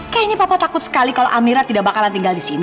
kayaknya papa takut sekali kalau amia tidak bakalan tinggal disini